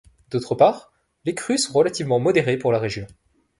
D'autre part, les crues sont relativement modérées pour la région.